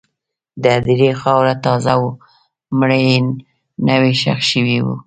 د هدیرې خاوره تازه وه، مړی نوی ښخ شوی و.